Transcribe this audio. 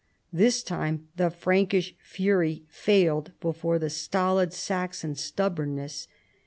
This time the Frankish fury failed before the stolid Saxon stubbornness.